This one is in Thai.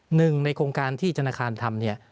หนึ่งในโครงการที่ธนาคารทำเนี่ย